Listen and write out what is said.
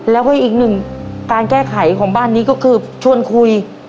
แล้วก็อีกหนึ่งการแก้ไขของบ้านนี้ก็คือชวนคุย